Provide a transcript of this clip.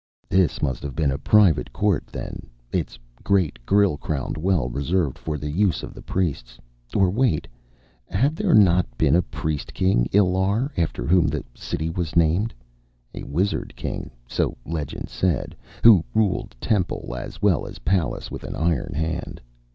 This must have been a private court, then, its great grille crowned well reserved for the use of the priests. Or wait had there not been a priest king Illar after whom the city was named? A wizard king, so legend said, who ruled temple as well as palace with an iron hand.